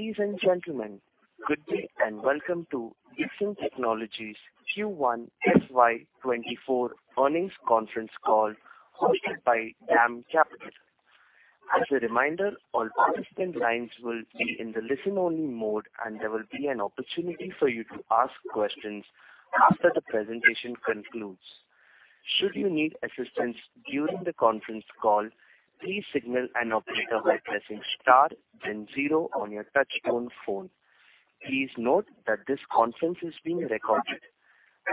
Ladies and gentlemen, good day, and welcome to Dixon Technologies Q1 FY 2024 earnings conference call hosted by DAM Capital. As a reminder, all participant lines will be in the listen-only mode, and there will be an opportunity for you to ask questions after the presentation concludes. Should you need assistance during the conference call, please signal an operator by pressing star then zero on your touch-tone phone. Please note that this conference is being recorded.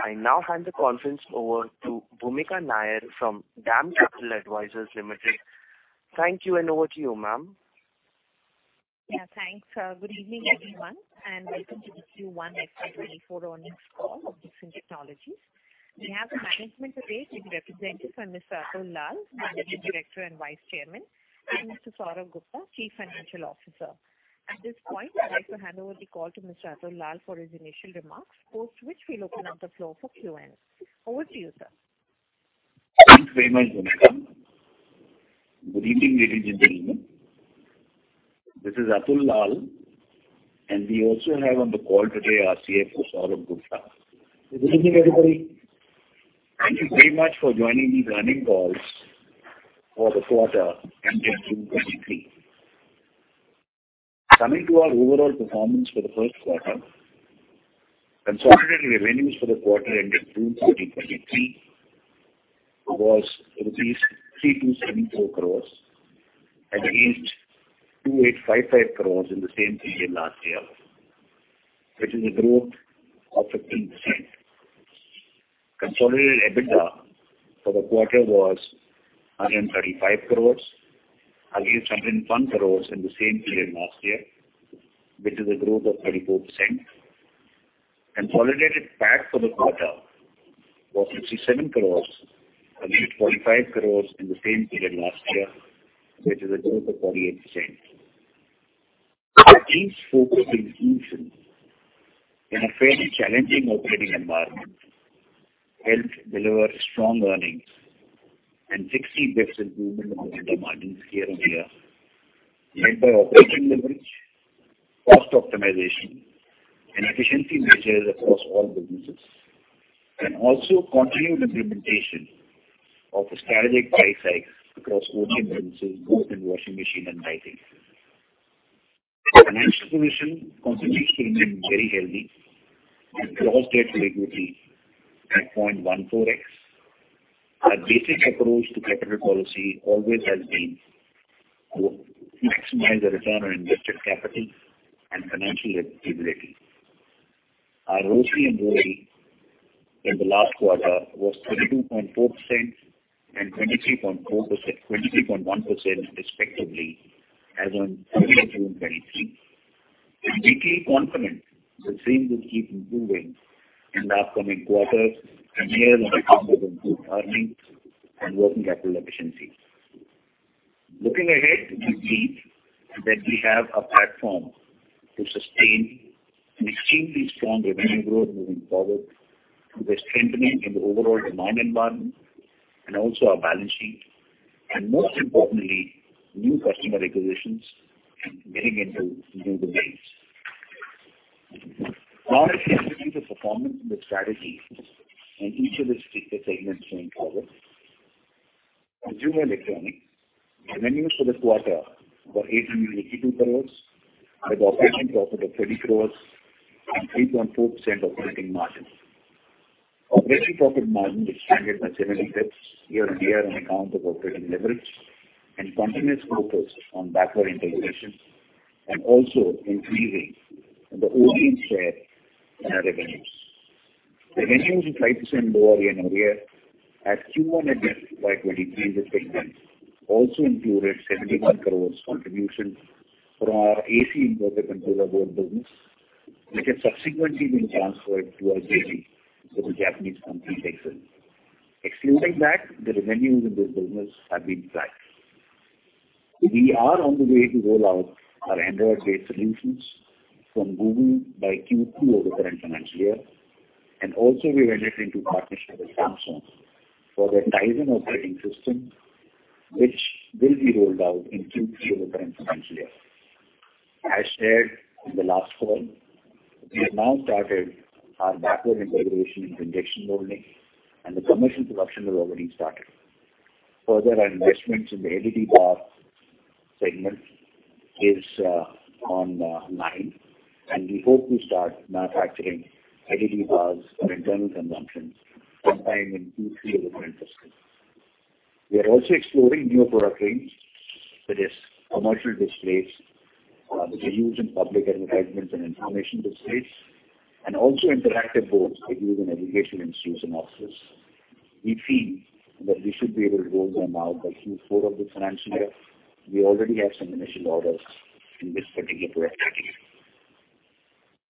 I now hand the conference over to Bhoomika Nair from DAM Capital Advisors Limited. Thank you, and over to you, ma'am. Yeah, thanks. Good evening, everyone, welcome to the Q1 FY24 earnings call of Dixon Technologies. We have the management today, being represented by Mr. Atul Lall, Managing Director and Vice Chairman, and Mr. Saurabh Gupta, Chief Financial Officer. At this point, I'd like to hand over the call to Mr. Atul Lall for his initial remarks, post which we'll open up the floor for Q&A. Over to you, sir. Thanks very much, Bhoomika. Good evening, ladies and gentlemen. This is Atul B. Lall, and we also have on the call today our CFO, Saurabh Gupta. Good evening, everybody. Thank you very much for joining these earnings calls for the quarter ending June 2023. Coming to our overall performance for the first quarter, consolidated revenues for the quarter ended June 2023 was rupees 3,274 crores, against 2,855 crores in the same period last year, which is a growth of 15%. Consolidated EBITDA for the quarter was 135 crores, against 101 crores in the same period last year, which is a growth of 34%. Consolidated PAT for the quarter was 57 crores, against 45 crores in the same period last year, which is a growth of 28%. These focus in IFIN, in a fairly challenging operating environment, helped deliver strong earnings and 60 basis points improvement on EBITDA margins year-on-year, led by operating leverage, cost optimization, and efficiency measures across all businesses, also continued implementation of strategic price hikes across OT businesses, both in washing machine and lighting. Financial position continues to remain very healthy, with gross debt to equity at 0.14x. Our basic approach to capital policy always has been to maximize the return on invested capital and financial flexibility. Our ROCE and ROE in the last quarter was 22.4% and 23.1%, respectively, as on June 2023. We remain confident the same will keep improving in the upcoming quarters and years on account of good earnings and working capital efficiency. Looking ahead, we see that we have a platform to sustain an extremely strong revenue growth moving forward, with a strengthening in the overall demand environment and also our balance sheet, and most importantly, new customer acquisitions getting into new domains. I will take you through the performance and the strategies in each of the segments going forward. Consumer electronics. Revenues for the quarter were 882 crore, with operating profit of 30 crore and 3.4% operating margin. Operating profit margin expanded by 70 basis points year-on-year on account of operating leverage and continuous focus on backward integration and also increasing the OT share in our revenues. Revenues are 5% lower year-on-year, as Q1 of FY 2023 in this segment also included 71 crore contribution from our AC inverter control board business, which has subsequently been transferred to our JV with a Japanese company, Rexxam. Excluding that, the revenues in this business have been flat. We are on the way to roll out our Android-based solutions from Google by Q2 of the current financial year, and also we went into partnership with Samsung for their Tizen operating system, which will be rolled out in Q3 of the current financial year. As shared in the last call, we have now started our backward integration in convection molding, and the commercial production has already started. Further investments in the LED bar segment is on line, and we hope to start manufacturing LED bars for internal consumption sometime in Q3 of the current fiscal. We are also exploring new product range, that is, commercial displays, which are used in public advertisements and information displays, and also interactive boards are used in education institutes and offices. We feel that we should be able to roll them out by Q4 of this financial year. We already have some initial orders in this particular product category.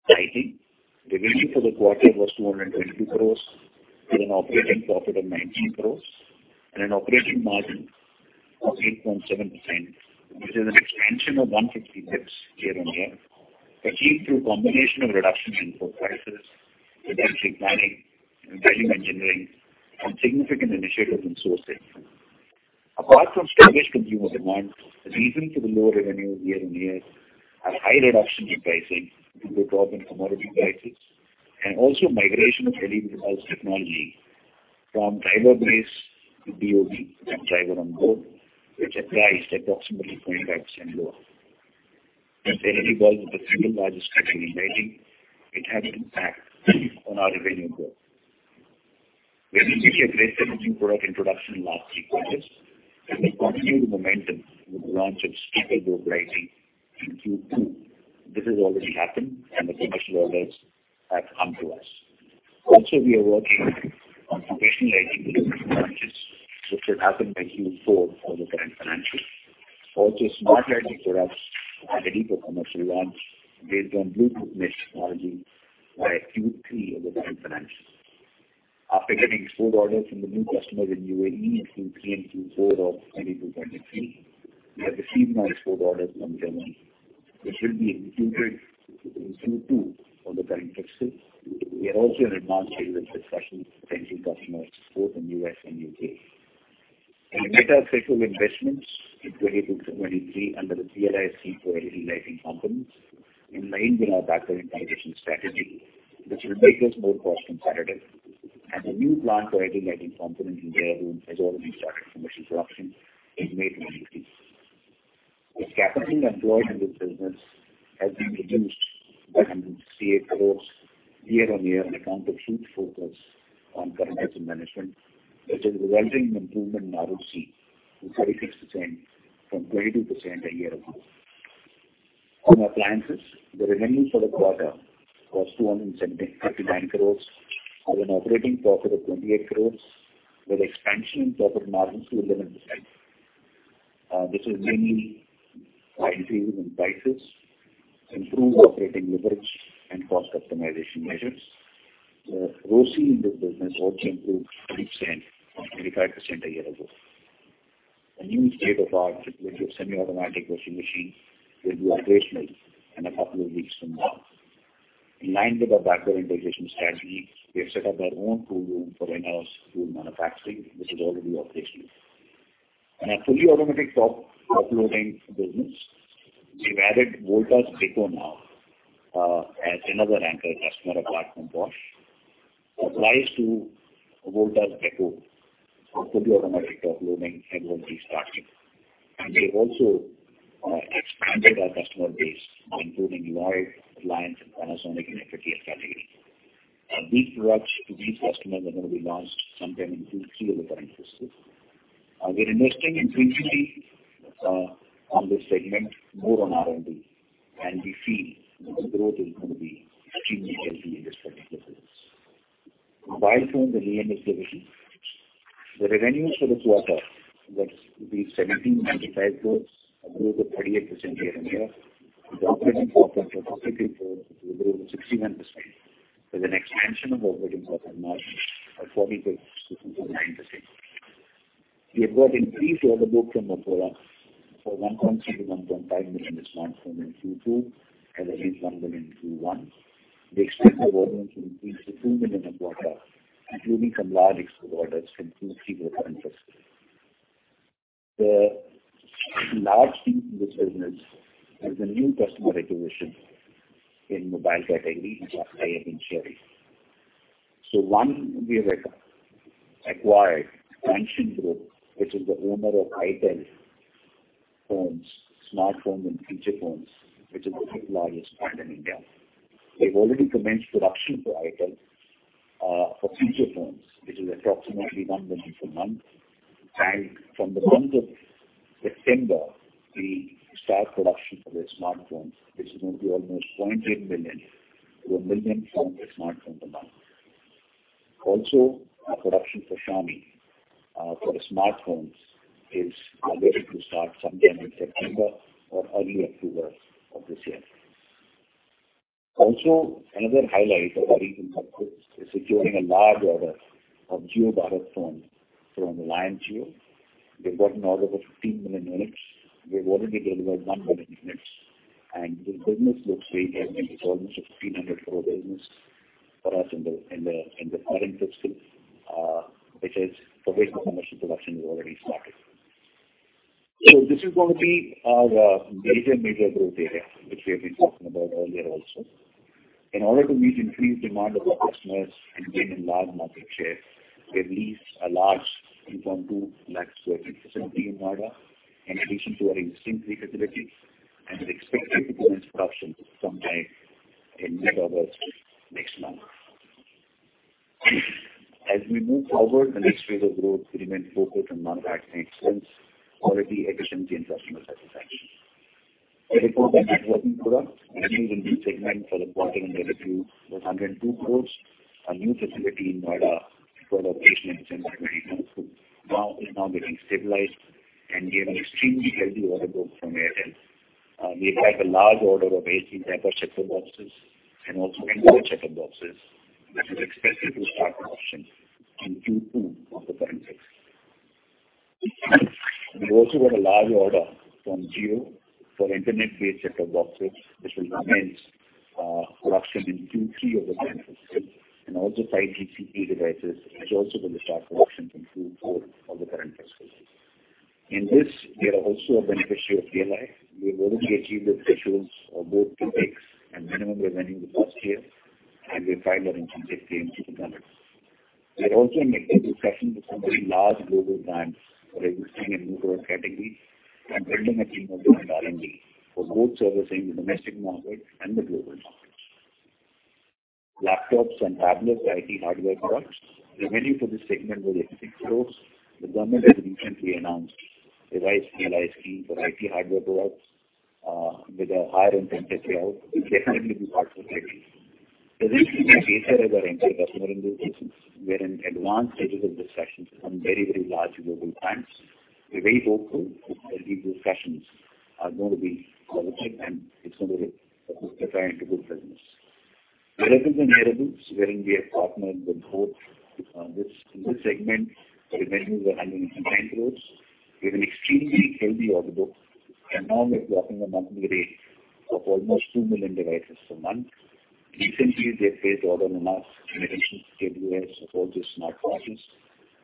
Lighting. Revenue for the quarter was 222 crores, with an operating profit of 19 crores and an operating margin of 8.7%, which is an expansion of 150 basis points year-on-year, achieved through combination of reduction in input prices, product mix, and volume engineering, and significant initiatives in sourcing. Apart from sluggish consumer demand, the reason for the lower revenue year-on-year are high reduction in pricing due to drop in commodity prices, and also migration of LED bulbs technology from driver-based to DOB, that driver on board, which are priced approximately 25% lower. As LED bulbs are the single largest category in lighting, it had an impact on our revenue growth. We have initiated aggressive new product introduction in last three quarters, and we continue the momentum with the launch of street light global lighting in Q2. This has already happened, the commercial orders have come to us. We are working on professional lighting solutions, which should happen by Q4 of the current financial. Smart lighting products are ready for commercial launch based on Bluetooth mesh technology by Q3 of the current financial. After getting export orders from the new customer in UAE between three and Q4 of 2022, 2023, we have received more export orders from Germany, which will be executed in Q2 of the current fiscal. We are also in advanced level discussions with potential customers both in U.S. and U.K. In data center investments in 2022, 2023 under the CLSC for LED lighting components in line with our backward integration strategy, which will make us more cost competitive. The new plant for LED lighting component in Bangalore has already started commercial production in May 2023. The capital employed in this business has been reduced by INR 188 crores year-on-year on account of huge focus on working capital management, which is resulting in improvement in ROC to 36% from 22% a year ago. On appliances, the revenue for the quarter was 279 crores, have an operating profit of 28 crores, with expansion in profit margins to 11%. This is mainly by increases in prices, improved operating leverage, and cost optimization measures. The ROC in this business also improved 20% from 25% a year ago. A new state-of-the-art semi-automatic washing machine will be operational in a couple of weeks from now. In line with our backward integration strategy, we have set up our own tool room for in-house tool manufacturing, which is already operational. In our fully automatic top loading business, we've added Voltas Beko now as another anchor customer apart from Bosch. Supplies to Voltas Beko for fully automatic top loading have already started, and we have also expanded our customer base, including Lloyd, Reliance, and Panasonic in 58 W category. These products to these customers are going to be launched sometime in Q3 of the current fiscal. We're investing intensely on this segment, more on R&D, and we feel this growth is going to be extremely healthy in this particular business. Mobile phones and OEM activity. The revenue for this quarter was 1,705 crores, a growth of 38% year-on-year, with operating profit of INR 63 crores, a growth of 61%, with an expansion of operating profit margin of 40 basis points to 9%. We have got increased order book from Motorola for 1.3 million-1.5 million smartphones in Q2, as against 1 million in Q1. We expect the volumes to increase to 2 million a quarter, including some large export orders from Q3 of the current fiscal. The large piece in this business is a new customer acquisition in mobile category, which I am sharing. One, we have acquired Transsion Group, which is the owner of Itel phones, smartphones, and feature phones, which is the fifth largest brand in India. We've already commenced production for Itel for feature phones, which is approximately 1 million per month. From the month of September, we start production for their smartphones, which is going to be almost 0.8 million to 1 million smartphones a month. Our production for Xiaomi for the smartphones is all ready to start sometime in September or early October of this year. Another highlight of our recent quarter is securing a large order of Jio Bharat Phone from Reliance Jio. We've got an order for 15 million units. We've already delivered 1 million units. This business looks very healthy. It's almost a 1,500 crore business for us in the current fiscal. Commercial production has already started. This is going to be our major growth area, which we have been talking about earlier also. In order to meet increased demand of our customers and gain a large market share, we have leased a large 2.2 lakh sq ft facility in Noida, in addition to our existing three facilities, and is expected to commence production sometime in mid-August, next month. As we move forward, the next phase of growth remains focused on manufacturing excellence, quality, efficiency, and customer satisfaction. Telecommunications working product and new segment for the quarter ended with 102 crore. Our new facility in Noida got operational in January, is now getting stabilized, and we have an extremely healthy order book from Airtel. We have got a large order of AC type of set-top boxes and also indoor set-top boxes, which is expected to start production in Q2 of the current fiscal. We also got a large order from Jio for internet-based set-top boxes, which will production in Q3 of the current fiscal year, and also 5G CPE devices, which also will start production from Q4 of the current fiscal year. In this, we are also a beneficiary of PLI. We have already achieved the thresholds of both the picks and minimum revenue in the first year, and we filed our intermediate claims with the government. We are also in active discussions with some very large global brands for existing and new product categories and building a team of doing R&D for both servicing the domestic market and the global markets. Laptops and tablets, IT hardware products. Revenue for this segment was INR 18 crores. The government has recently announced a revised PLI scheme for IT hardware products, with a higher intensity payout, which definitely be part of IT. Recently, we have entered customer engagements. We are in advanced stages of discussions with some very, very large global brands. We're very hopeful that these discussions are going to be positive, and it's going to be turn into good business. The reference and wearables, wherein we have partnered with both, this, in this segment, the revenues were 109 crores. We have an extremely healthy order book and now we're dropping a monthly rate of almost 2 million devices per month. Recently, we have placed order on mass communication SKUs of all these smart watches,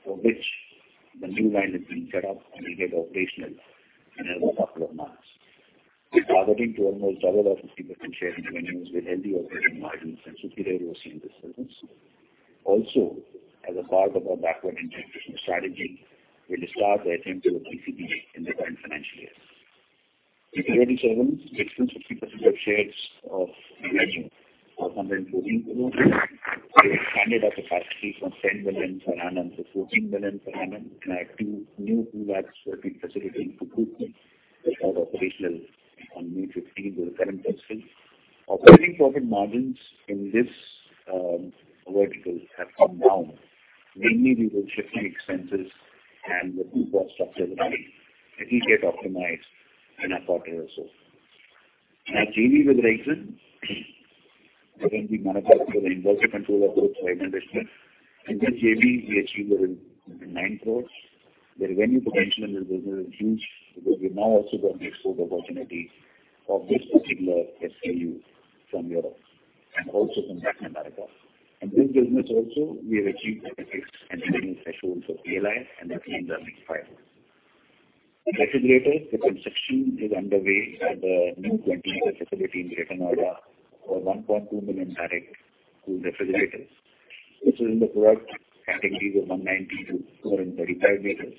for which the new line is being set up, and we get operational in another couple of months. We're targeting to almost double our 50% share in revenues with healthy operating margins and superior risk in this business. As a part of our backward integration strategy, we'll start by entering into PCBA in the current financial year. Security surveillance, we have 60% of shares of revenue from the including growth. We have expanded our capacity from 10 million per annum to 14 million per annum, add two new tool labs were being facilitated to boost this, which are operational on May 15, the current fiscal. Operating profit margins in this vertical have come down, mainly due to shifting expenses and the new cost structure that it will get optimized in a quarter or so. Our JV with Rexxam, where we manufacture the inverter control of both Rexxam. In this JV, we achieved around 9 crores. The revenue potential in this business is huge because we've now also got an export opportunity of this particular SKU from Europe and also from Latin America. In this business also, we have achieved the fixed and continuing thresholds of PLI, and the claims are being filed. Refrigerators, the construction is underway at the new 20-acre facility in Greater Noida for 1.2 million direct cool refrigerators. This is in the product categories of 190 l-235 l,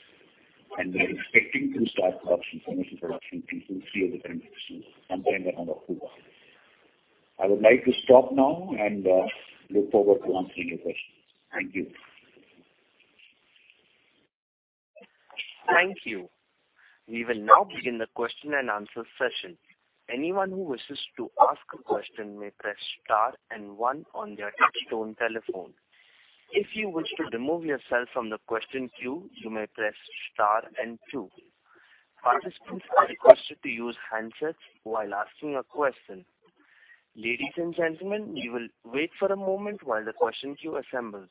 and we are expecting to start production, commercial production in Q3 of the current fiscal year, sometime around October. I would like to stop now and look forward to answering your questions. Thank you. Thank you. We will now begin the question and answer session. Anyone who wishes to ask a question may press star and one on their touchtone telephone. If you wish to remove yourself from the question queue, you may press star and two. Participants are requested to use handsets while asking a question. Ladies and gentlemen, we will wait for a moment while the question queue assembles.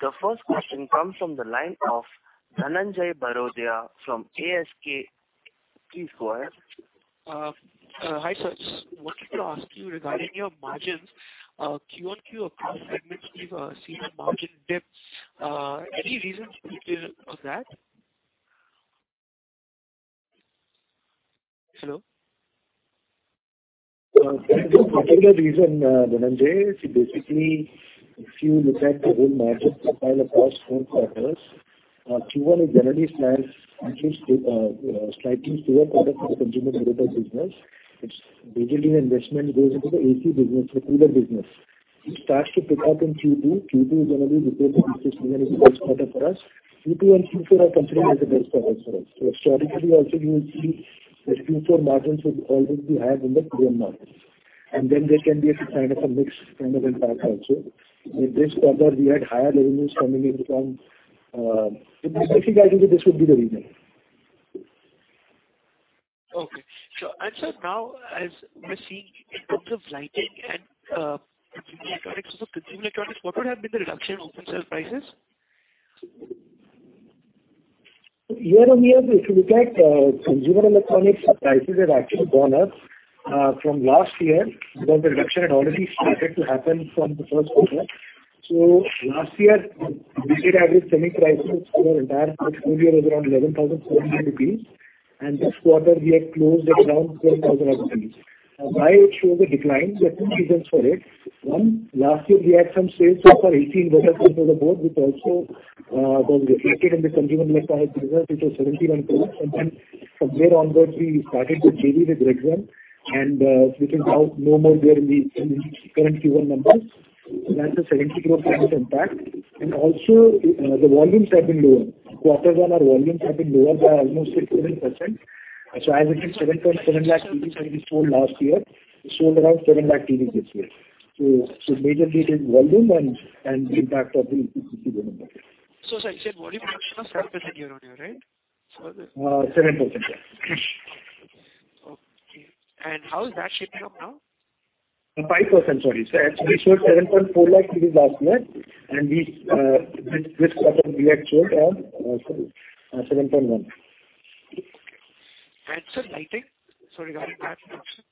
The first question comes from the line of Dhananjai Bagrodia from ASK Investment Managers Limited. Hi, sir. Wanted to ask you regarding your margins, Q1 Q across segments, we've seen a margin dip. Any reason for that? Hello? There's no particular reason, Dhananjai. Basically, if you look at the whole margin profile across four quarters, Q1 is generally slants interest, slightly slower product for the consumer durables business. It's majorly an investment goes into the AC business, the cooler business. It starts to pick up in Q2. Q2 is generally the best quarter for us. Q2 and Q4 are considered as the best quarters for us. Historically also, you will see that Q4 margins would always be higher than the prior margins. There can be a kind of a mix, kind of impact also. In this quarter, we had higher revenues coming in from. Basically, I think this would be the reason. Okay. Sir, now, as we're seeing in terms of lighting and consumer electronics, consumer electronics, what would have been the reduction in open sales prices? Year-on-year, if you look at consumer electronics, prices have actually gone up from last year, because the reduction had already started to happen from the first quarter. Last year, we did average semi prices for our entire fiscal year was around INR 11,700, and this quarter we had closed at around INR 12,000. Why it showed a decline? There are two reasons for it. One, last year we had some sales of our AC versions of the board, which also got reflected in the consumer electronics business, which was 71 crore. From there onwards, we started to JV with Rexxam, which is now no more there in the, in current Q1 numbers. That's a 70 crore- impact. The volumes have been lower. Q1, our volumes have been lower by almost 11%. As I said, 7.7 lakh TVs that we sold last year, we sold around 7 lakh TVs this year. Majorly it is volume and the impact of the PPC going on there. Sir, you said volume reduction of 7% year-on-year, right? 7%, yeah. ...How is that shaping up now? 5%, sorry, sir. We showed 7.4 lakh units last month. We actually are 7.1. sir, lighting? Sorry, regarding that option.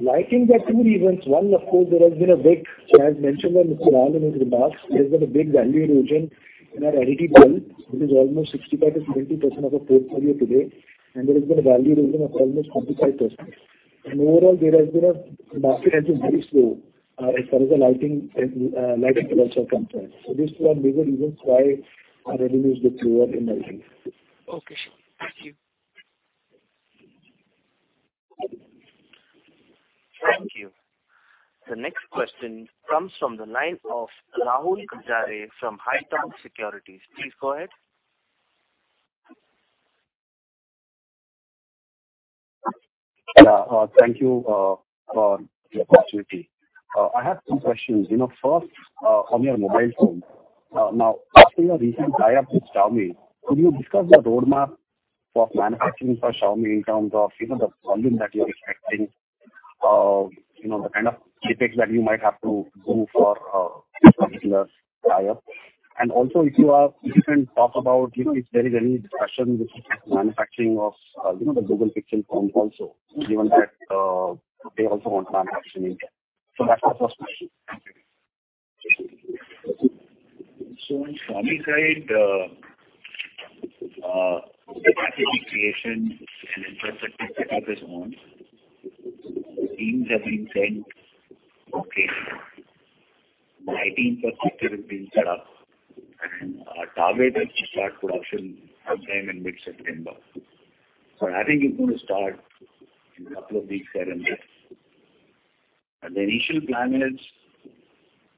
Lighting, there are two reasons. One, of course, there has been a big, as mentioned by Mr. Rahl in his remarks, there's been a big value erosion in our LED bulb. It is almost 65% to 70% of the portfolio today, and there has been a value erosion of almost 45%. Overall, there has been market has been very slow as far as the lighting and lighting products are concerned. These two are major reasons why our revenues get lower in lighting. Okay, thank you. Thank you. The next question comes from the line of Rahul Gajare from Haitong Securities. Please go ahead. Yeah. Thank you for the opportunity. I have two questions. You know, first, on your mobile phone. Now, after your recent tie-up with Xiaomi, could you discuss the roadmap for manufacturing for Xiaomi in terms of, you know, the volume that you're expecting? You know, the kind of CapEx that you might have to do for this particular tie-up. Also, if you can talk about, you know, if there is any discussion with manufacturing of, you know, the Google Pixel phone also, given that they also want manufacturing. That's my first question. On Xiaomi side, the manufacturing creation and infrastructure set up is on. The teams have been sent location. The IT infrastructure has been set up, and our target is to start production sometime in mid-September. I think it's going to start in a couple of weeks time. The initial plan is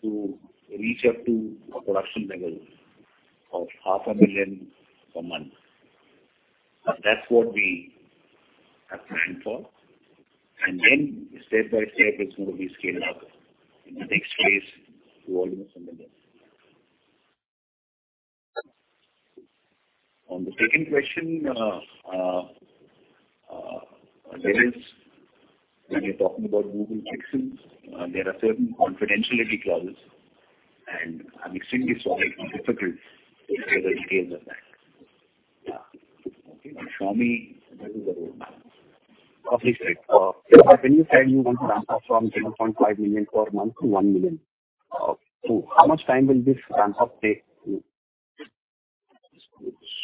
to reach up to a production level of 500,000 per month. That's what we have planned for. Then step by step, it's going to be scaled up, in the next phase, to almost 1 million. On the second question, when you're talking about Google Pixels, there are certain confidentiality clauses, and I'm extremely sorry, it's difficult to share the details of that. Yeah. Okay. Xiaomi, that is the roadmap. Okay, great. When you said you want to ramp up from 10.5 million per month to 1 million, how much time will this ramp up take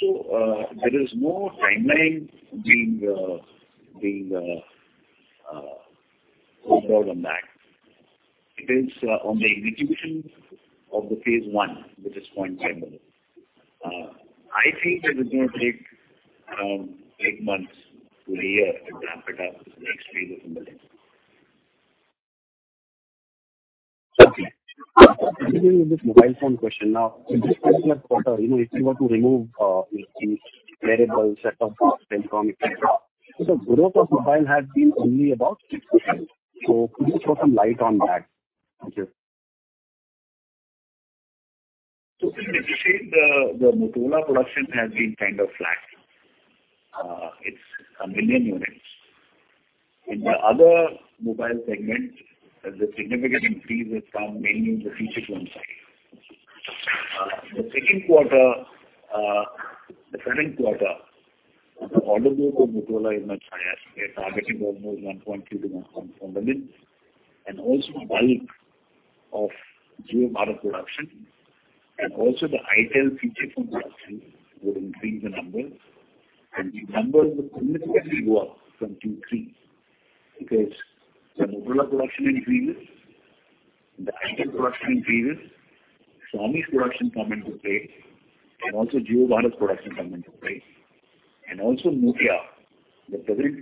you? There is no timeline being pulled out on that. It is on the execution of phase one, which is 0.5 million. I think that it's going to take around eight months to a year to ramp it up to the next phase of 1 million. Okay. Continuing with this mobile phone question. In this particular quarter, you know, if you were to remove the variable set of Telkom, the growth of mobile has been only about 6%. Could you throw some light on that? Thank you. Let me say, the Motorola production has been kind of flat. It's 1 million units. In the other mobile segment, the significant increase has come mainly in the feature phone side. The second quarter, the current quarter, the order book of Motorola is much higher. We are targeting almost 1.2 million-1.4 million. A bulk of Jio Bharat production, and also the Itel feature phone production will increase the numbers, and the numbers will significantly go up from two, three, because the Motorola production increases, the Itel production increases, Xiaomi's production come into play, and also Jio Bharat's production come into play. Nokia, the present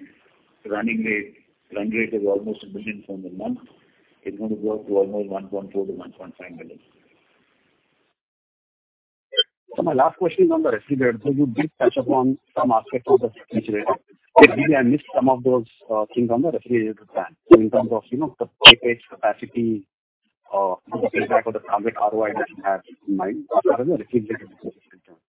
running rate, run rate is almost 1 million phones a month. It's going to go up to almost 1.4 million-1.5 million. My last question is on the refrigerator. You did touch upon some aspects of the refrigerator. Maybe I missed some of those things on the refrigerator plan. In terms of, you know, the CapEx capacity, the impact or the project ROI that you have in mind on the refrigerator business in terms.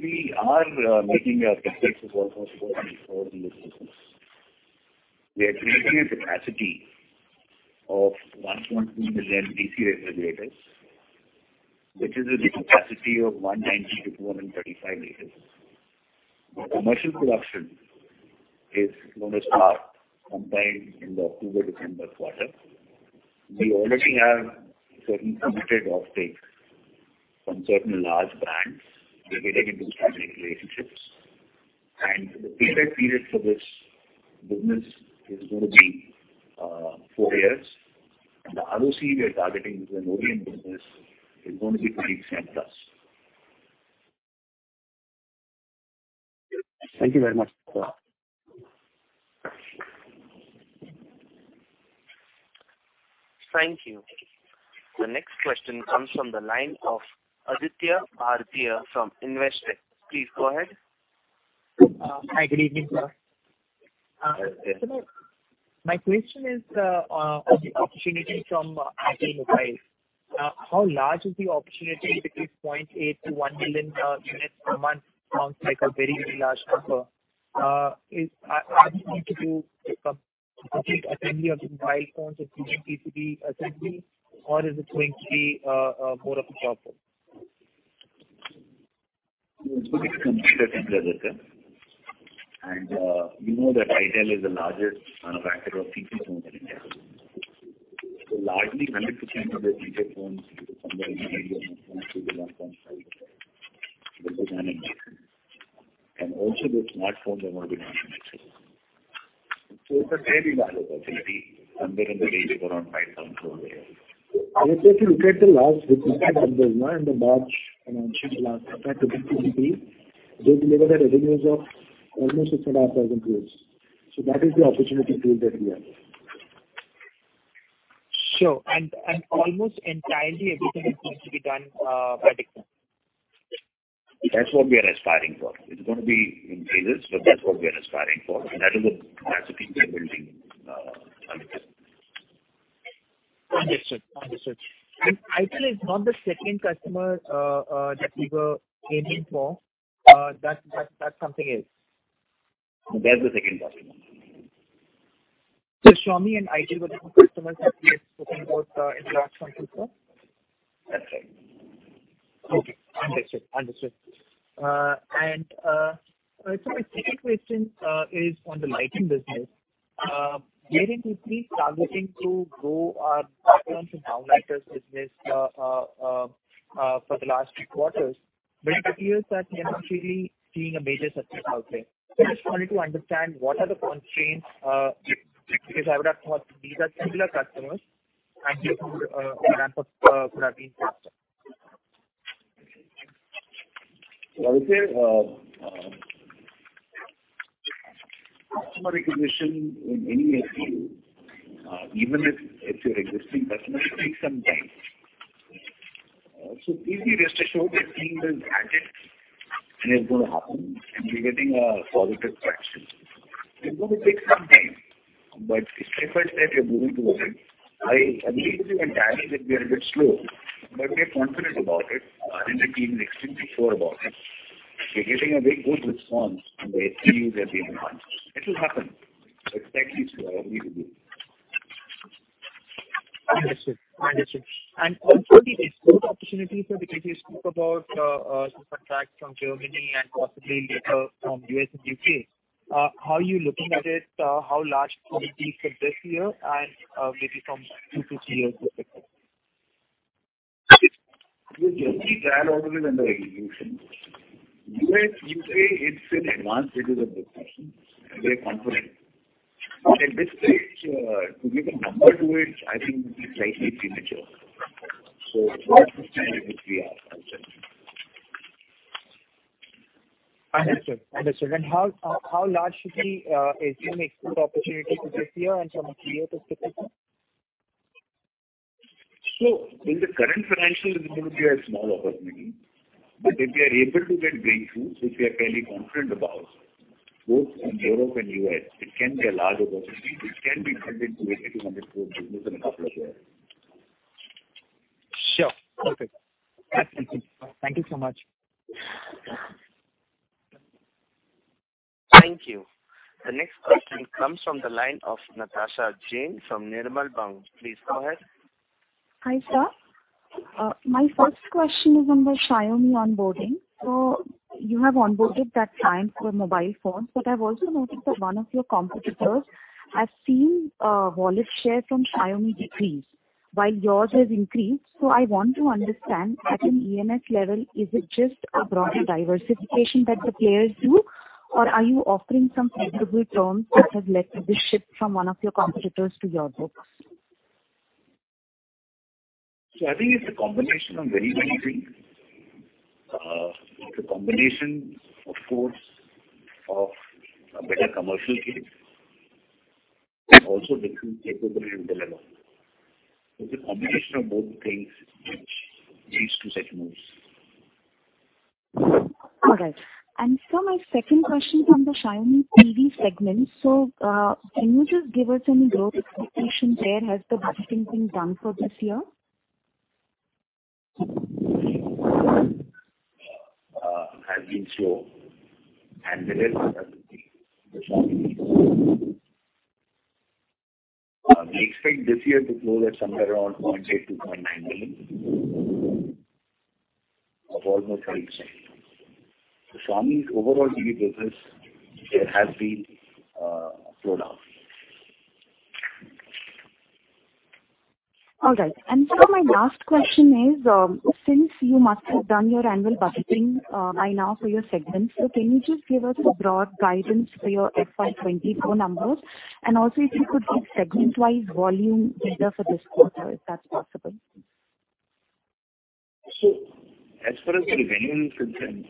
We are making our CapEx of almost INR 44 million. We are creating a capacity of 1.2 million DC refrigerators, which is a capacity of 190 l-135 l. The commercial production is going to start sometime in the October, December quarter. We already have certain committed offtake from certain large brands. We're getting into strategic relationships. The payback period for this business is going to be four years. The ROC we are targeting with an OEM business is going to be 15%+. Thank you very much. Thank you. The next question comes from the line of Aditya Bhartia from Investec. Please go ahead. Hi, good evening, sir. My question is on the opportunity from Itel. How large is the opportunity between 0.8 million-1 million units per month? Sounds like a very large number. Are you going to do some assembly of the mobile phones, including PCB assembly, or is it going to be more of a problem? It's computer template, okay? You know that Itel is the largest manufacturer of PC phones in India. Largely, 100% of the PC phones and also the smartphone they're going to be launching next year. It's a very large facility, somewhere in the range of around 5,000 phones. I would say if you look at the last in the March, announcements last effective PPP, they delivered the revenues of almost 6,500 phones. That is the opportunity pool that we have. Sure. almost entirely everything is going to be done by Dixon? That's what we are aspiring for. It's going to be in phases, but that's what we are aspiring for, and that is the capacity we are building, on it. Understood. Understood. Itel is not the second customer that we were aiming for, that's something else? There's the second customer. Xiaomi and Itel were the two customers that we are talking about, in large numbers now? That's right. Okay, understood. Understood. My second question is on the lighting business. Mering has been targeting to grow downlighters business for the last few quarters, but it appears that we are not really seeing a major success out there. I just wanted to understand, what are the constraints? Because I would have thought these are similar customers, and this would ramp up could have been faster. Well, okay, customer recognition in any SKU, even if it's your existing customer, it takes some time. Please be rest assured we are seeing the magic, and it's going to happen, and we're getting a positive traction. It's going to take some time, but step by step, we are moving towards it. I agree with you that we are a bit slow, but we are confident about it. The team is extremely sure about it. We are getting a very good response from the SKUs that we have launched. It will happen, but take it slowly. Understood. Understood. Also, the export opportunity, sir, because you spoke about some contracts from Germany and possibly later from U.S. and U.K. How are you looking at it? How large could it be for this year and maybe from two to three years, et cetera? With Germany, we are already under execution. U.S., U.K., it's in advanced stages of discussion, we are confident. At this stage, to give a number to it, I think it would be slightly premature. We are, I'll say. Understood. Understood. How large should be assume export opportunity for this year and from a three-year perspective? In the current financial, it is going to be a small opportunity, but if we are able to get breakthroughs, which we are fairly confident about, both in Europe and US, it can be a large opportunity, which can be turned into a $200 million business in a couple of years. Sure. Okay. Thank you. Thank you so much. Thank you. The next question comes from the line of Natasha Jain, from Nirmal Bang. Please go ahead. Hi, sir. My first question is on the Xiaomi onboarding. You have onboarded that client for mobile phones, but I've also noticed that one of your competitors has seen, wallet share from Xiaomi decrease, while yours has increased. I want to understand, at an EMS level, is it just a broader diversification that the players do, or are you offering some favorable terms that have led to this shift from one of your competitors to your books? I think it's a combination of very many things. It's a combination, of course, of a better commercial case, and also between capability and delivery. It's a combination of both things which leads to such moves. All right. Sir, my second question from the Xiaomi TV segment. Can you just give us any growth expectations there? Has the budgeting been done for this year? has been slow. There is Xiaomi. We expect this year to close at somewhere around 0.8 to 0.9 million of almost 5%. Xiaomi's overall TV business, there has been a slowdown. All right. Sir, my last question is, since you must have done your annual budgeting, by now for your segments, so can you just give us a broad guidance for your FY24 numbers? Also, if you could give segment-wise volume data for this quarter, if that's possible. As far as the revenue is concerned,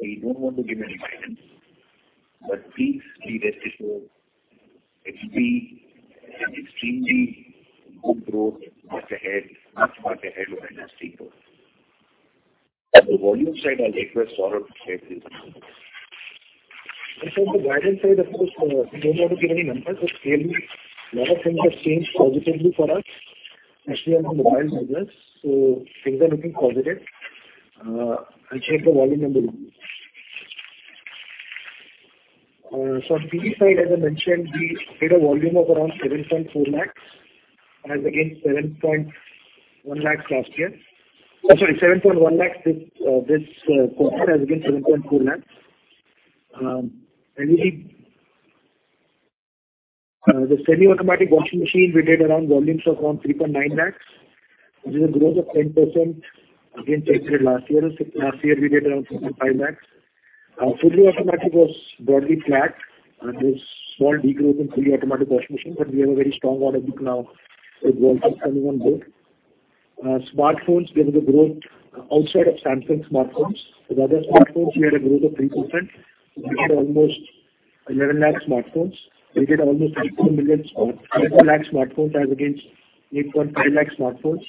we don't want to give any guidance. Please be rest assured, it will be an extremely good growth much ahead of industry growth. On the volume side, I'll request Saurabh to share these numbers. From the volume side, of course, we don't want to give any numbers, but clearly a lot of things have changed positively for us, especially on the mobile business, so things are looking positive. I'll check the volume number. On TV side, as I mentioned, we did a volume of around 7.4 lakhs as against 7.1 lakhs last year. 7.1 lakhs this quarter as against 7.4 lakhs. We, the semi-automatic washing machine, did around volumes of around 3.9 lakhs, which is a growth of 10% against same period last year. Last year, we did around 3.5 lakhs. Fully automatic was broadly flat. There's small decrease in fully automatic washing machine, but we have a very strong order book now with volumes coming on board. Smartphones, we have a growth outside of Samsung smartphones. The other smartphones, we had a growth of 3%. We did almost 11 lakh smartphones. We did almost 13 lakh smartphones as against 8.5 lakh smartphones.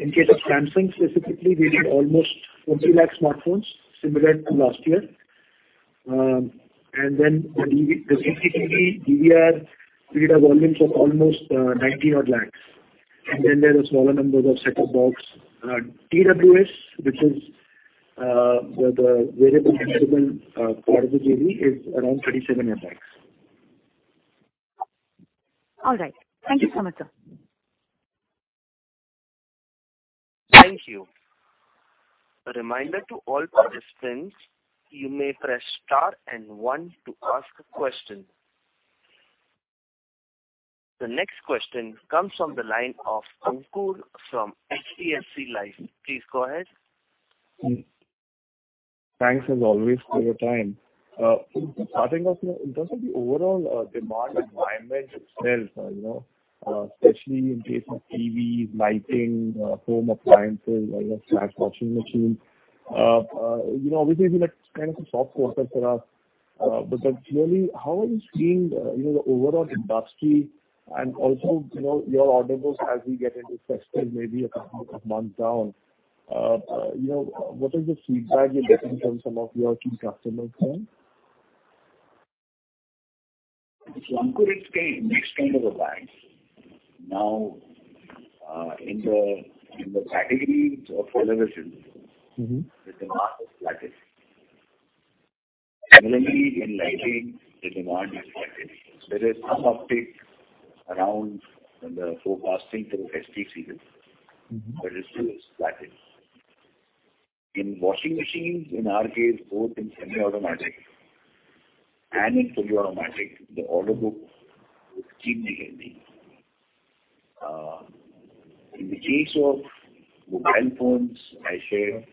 In case of Samsung specifically, we did almost 40 lakh smartphones, similar to last year. Then the TV, the CCTV, DVR, we had a volumes of almost 90 odd lakhs. There are smaller numbers of set-top box. TWS, which is the wearable segment, part of the TV is around 37 lakhs. All right. Thank you, Saurabh, sir. Thank you. A reminder to all participants, you may press star and one to ask a question. The next question comes from the line of Ankur from HDFC Life. Please go ahead. Thanks, as always, for your time. Starting off, in terms of the overall, demand environment itself, you know, especially in case of TVs, lighting, home appliances, like a flat washing machine, you know, obviously, like, kind of some soft quarter for us. Clearly, how are you seeing, you know, the overall industry and also, you know, your order books as we get into festive, maybe a couple of months down? You know, what is the feedback you're getting from some of your key customers there? Ankur, it's a mixed kind of a bag. Now, in the categories of television. Mm-hmm. The demand is flattened. Similarly, in lighting, the demand is flattened. There is some uptick around the forecasting through holiday season. Mm-hmm. It's still flatted. In washing machines, in our case, both in semi-automatic and in fully automatic, the order book is extremely healthy. In the case of mobile phones, I shared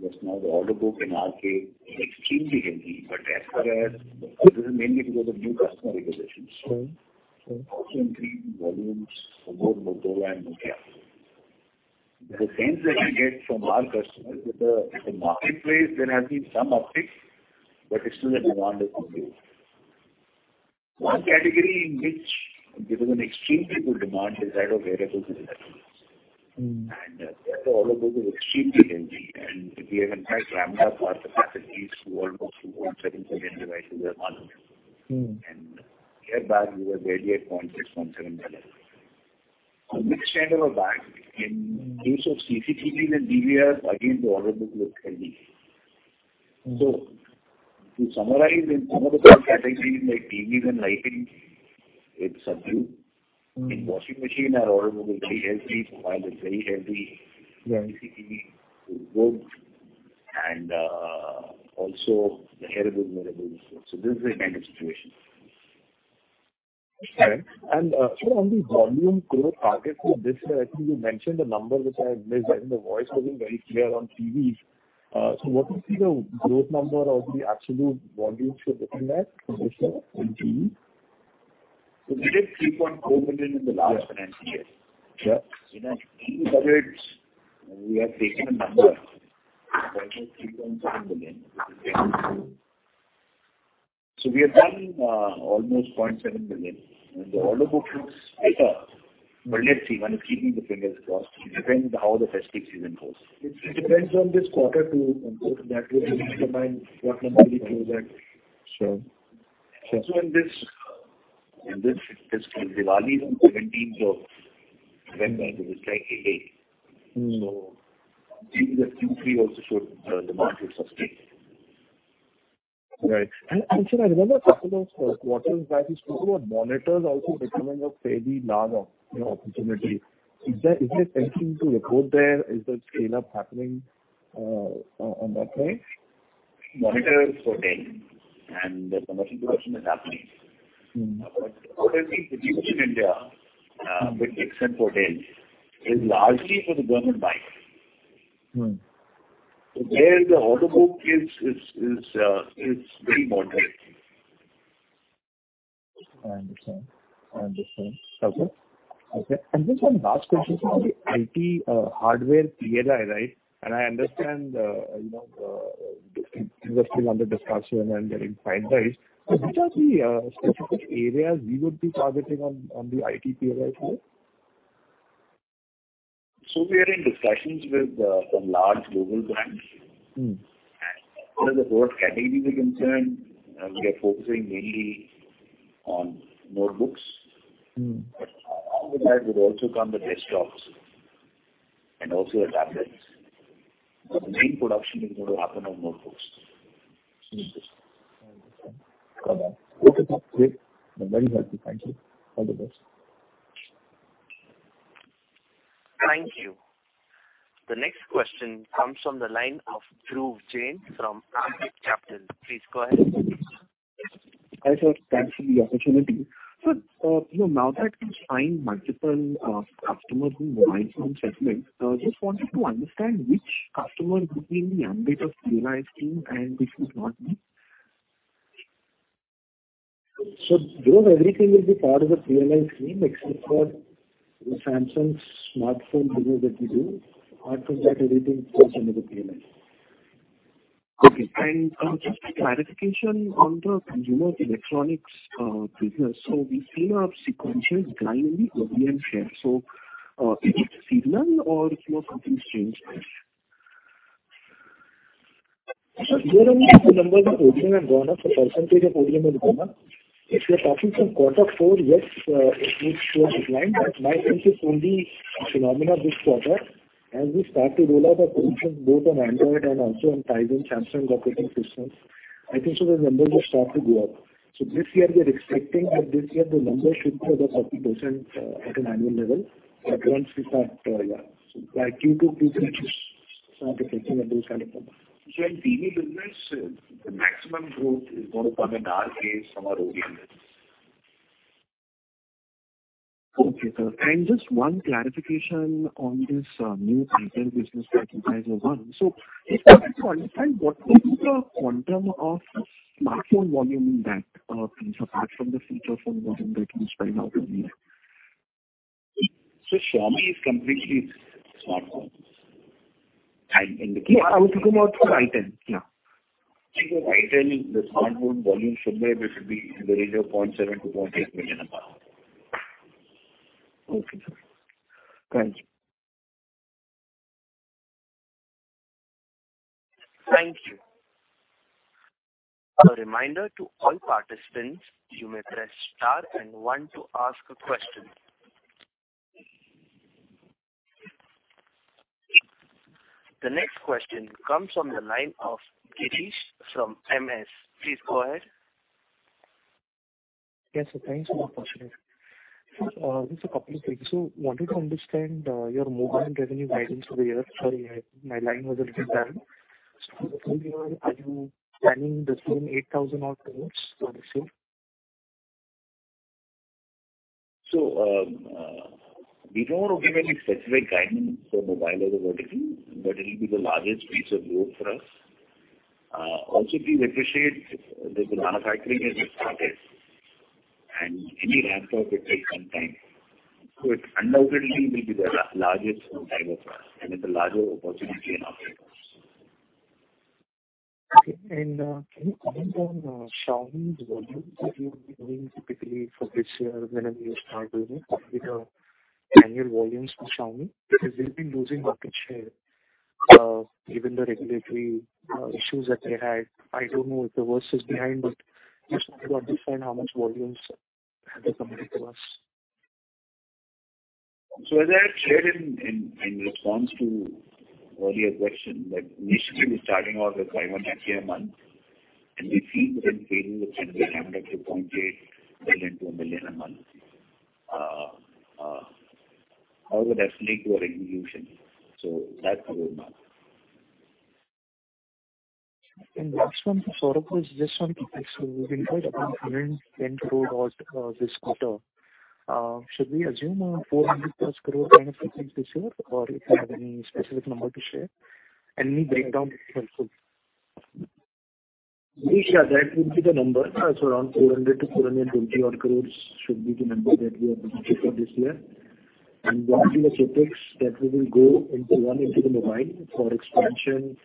just now, the order book in our case is extremely healthy, but as far as... This is mainly because of new customer acquisitions. Sure. Sure. Increasing volumes for both Motorola and Nokia. The sense that you get from our customers, with the marketplace, there has been some uptick, but it's still the demand is complete. One category in which there is an extremely good demand is that of wearable devices. Mm. Therefore, order book is extremely healthy, and we have in fact ramped up our capacities to almost 1.7 million devices a month. Mm. Year back, we were barely at INR 0.6 million, INR 0.7 million. A mixed kind of a bag. In case of CCTV and DVR, again, the order book looks healthy. Mm. To summarize, in some of the core categories, like TVs and lighting, it's subdued. Mm. In washing machine, our order book is very healthy. Mobile is very healthy. Yeah. CCTV is good, and also the hair removal, wearable. This is the kind of situation. Sir, on the volume growth target for this, I think you mentioned a number which I missed, and the voice wasn't very clear on TVs. What is the growth number or the absolute volumes you're looking at for this year in TV? We did INR 3.4 million in the last financial year. Yeah. In our TV budgets, we have taken a number of 0.3 million, 0.7 million. We have done, almost 0.7 million, and the order book looks better, but let's see. One is keeping the fingers crossed. It depends how the festive season goes. It depends on this quarter too, Ankur. That will determine what number we close at. Sure. In this Diwali, on 17th of November, it is like a eight. Mm. In the Q3 also show the market is sustained. Right. Sir, I remember last quarter's guide, you spoke about monitors also becoming a fairly large, you know, opportunity. Is there anything to report there? Is the scale-up happening on that front? Monitors for Dell, and the commercial version is happening. Mm. Everything produced in India, with exception for Dell, is largely for the government buying. Mm. There, the order book is very moderate. I understand. Okay, just one last question. So the IT hardware clear by, right? I understand, you know, They're still under discussion and getting finalized. Which are the specific areas we would be targeting on the IT PLI floor? We are in discussions with, some large global brands. Mm-hmm. As far as the broad categories are concerned, we are focusing mainly on notebooks. Mm-hmm. With that would also come the desktops and also the tablets. The main production is going to happen on notebooks. Okay, great. I'm very happy. Thank you. All the best. Thank you. The next question comes from the line of Dhruv Jain from Ambit Capital. Please go ahead. Hi, sir. Thanks for the opportunity. You know, now that you've signed multiple customers who might want settlement, just wanted to understand which customer would be in the ambit of PLI scheme and which would not be? Dhruv, everything will be part of the PLI scheme except for the Samsung smartphone business that we do. Apart from that, everything falls under the PLI. Okay. Just a clarification on the consumer electronics business. We see a sequential decline in the OEM share. Is it seasonal or, you know, something changed? Sir, here only the number of OEM have gone up, the percentage of OEM has gone up. If you are talking from quarter four, yes, it did show a decline, but I think it's only a phenomenon this quarter. As we start to roll out our solutions both on Android and also on Tizen, Samsung operating systems, I think so the numbers will start to go up. This year we are expecting that this year the number should be about 30% at an annual level, but once we start. By Q2, Q3, it should start reflecting those kind of numbers. In TV business, the maximum growth is going to come in our case from our OEM business. Okay, sir. Just one clarification on this new retail business that you guys have won. Just wanted to understand, what is the quantum of smartphone volume in that, apart from the feature phone volume that you spoke about earlier? Xiaomi is completely smartphones. No, I was talking about Itel, yeah. Itel, the smartphone volume should be, it should be in the range of 0.7-0.8 million a month. Okay, sir. Thank you. Thank you. A reminder to all participants, you may press star and one to ask a question. The next question comes from the line of Kshitiz from MS. Please go ahead. Yes, sir, thanks for the opportunity. Just a couple of things. Wanted to understand your mobile revenue guidance for the year. Sorry, my line was a little darn. For the full year, are you planning the same 8,000 odd crores for this year? We don't give any specific guidance for mobile as a vertical, but it'll be the largest piece of growth for us. Also, please appreciate that the manufacturing has just started, and any ramp-up, it takes some time. It undoubtedly will be the largest driver for us, and it's a larger opportunity in operate also. Okay. Can you comment on Xiaomi's volumes that you will be doing typically for this year, whenever you start doing it, with the annual volumes for Xiaomi? Because they've been losing market share, given the regulatory issues that they had. I don't know if the worst is behind, but just wanted to understand how much volumes they're committing to us. As I had shared in response to earlier question, that initially we're starting off with 500,000 a month, and we see that increasing with time to 0.8 million to 1 million a month. However, that's linked to our execution. That's our roadmap. Last one for Saurabh is just on CapEx. You've incurred about INR 10 crore odd this quarter. Should we assume an 400+ crore kind of CapEx this year, or if you have any specific number to share? Any breakdown will be helpful. Yeah, that would be the number. Around 400 crore-420 crore should be the number that we are looking for this year. That will be the CapEx that will go into, one, into the mobile for expansion,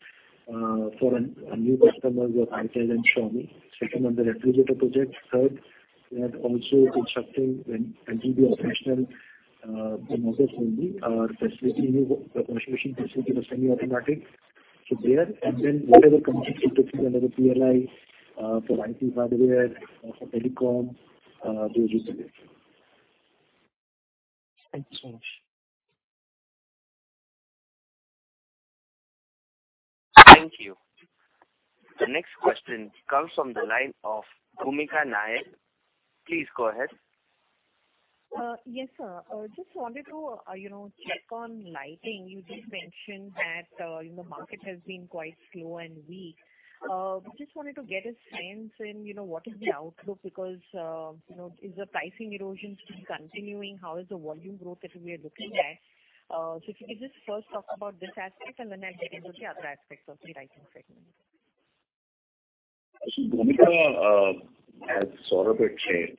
for a new customer with Itel and Xiaomi. Second, on the refrigerator project. Third, we are also constructing an NGB operational, the model only, facility, new automation facility for semi-automatic. There, whatever comes into play under the PLI, for IT hardware, for telecom, those are there. Thank you so much. Thank you. The next question comes from the line of Bhoomika Nair. Please go ahead. Yes, sir. Just wanted to, you know, check on lighting. You just mentioned that, you know, the market has been quite slow and weak. We just wanted to get a sense in, you know, what is the outlook, because, you know, is the pricing erosion still continuing? How is the volume growth that we are looking at? If you could just first talk about this aspect and then I'll get into the other aspects of the lighting segment. Bhoomika, as Saurabh had shared.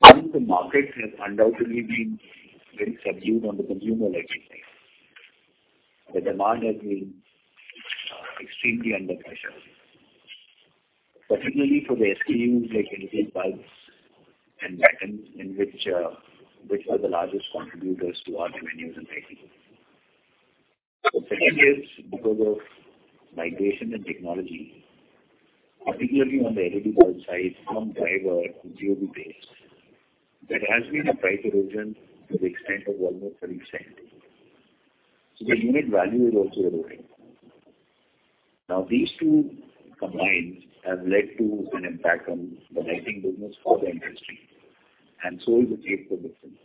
One, the market has undoubtedly been very subdued on the consumer lighting side. The demand has been extremely under pressure, particularly for the SKUs, like LED bulbs and buttons, in which are the largest contributors to our revenues in lighting. The second is because of migration and technology, particularly on the LED bulb side, from driver to COB base. There has been a price erosion to the extent of almost 30%. The unit value is also eroding. These two combined have led to an impact on the lighting business for the industry, and so is the case for Dixon.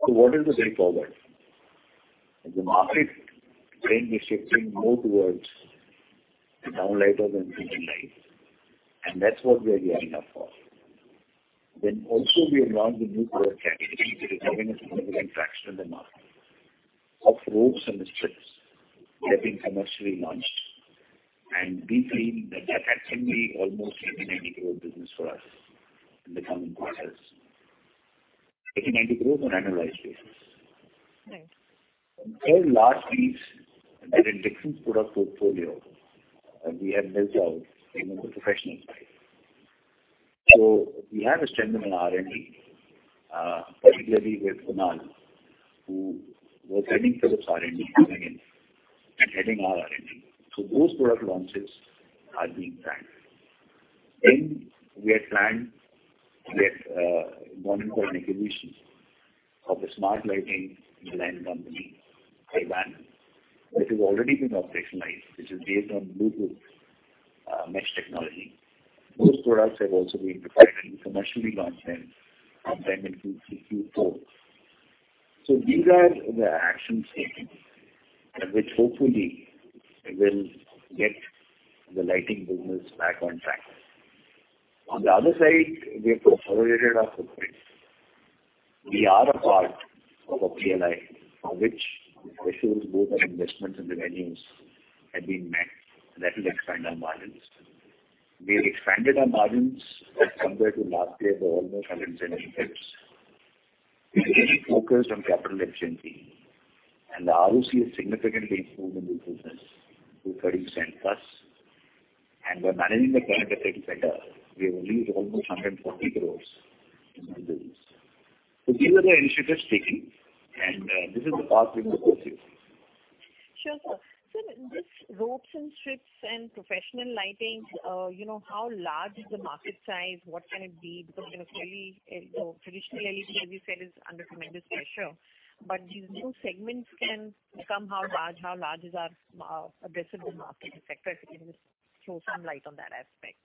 What is the way forward? The market trend is shifting more towards the downlighters and lights, and that's what we are gearing up for. Also, we have launched a new product category, which is having a significant traction in the market, of ropes and strips that have been commercially launched. We feel that that can be almost 80%-90% growth business for us in the coming quarters. 80%-90% growth on annualized basis. Right. Large leads in the Dixon product portfolio, and we have built out in the professional side. We have a strength in our R&D, particularly with Kunal, who was heading Philips R&D, coming in and heading our R&D. Those product launches are being planned. We have planned with one called acquisition of the smart lighting design company, Ibahn, which has already been operationalized, which is based on Bluetooth mesh technology. Those products have also been prepared and commercially launched in 2024. These are the action items which hopefully will get the lighting business back on track. On the other side, we have consolidated our footprint. We are a part of a PLI, for which the ratios, both on investments and revenues, have been met, and that will expand our margins. We have expanded our margins as compared to last year by almost 110 basis points. We are really focused on capital efficiency, and the ROC has significantly improved in the business to 30%+. We're managing the current debt very well. We have reduced almost 140 crores in our business. These are the initiatives taking, and this is the path we are pursuing. Sure, sir. This ropes and strips and professional lighting, you know, how large is the market size? What can it be? You know, clearly, traditionally, LED, as you said, is under tremendous pressure, but these new segments can become how large is our addressable market sector? If you can just throw some light on that aspect.